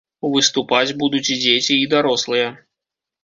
Выступаць будуць і дзеці, і дарослыя.